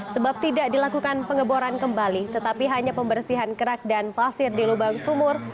sebab tidak dilakukan pengeboran kembali tetapi hanya pembersihan kerak dan pasir di lubang sumur